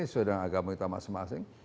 sesuai dengan agama kita masing masing